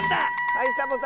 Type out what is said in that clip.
はいサボさん。